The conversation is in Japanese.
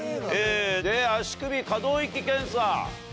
で足首可動域検査。